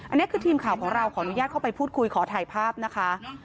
อันนี้คือทีมข่าวของเราขออนุญาตเข้าไปพูดคุยขอถ่ายภาพนะคะ